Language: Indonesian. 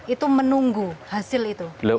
itu menunggu hasil itu